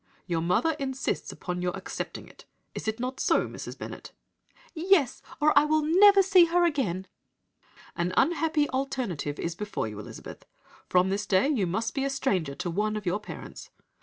Your mother insists upon your accepting it. Is it not so, Mrs. Bennet?' "'Yes, or I will never see her again.' "'An unhappy alternative is before you, Elizabeth. From this day you must be a stranger to one of your parents.